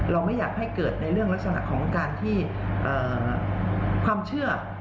ไม่อยากให้เกิดในเรื่องลักษณะของการที่ความเชื่อ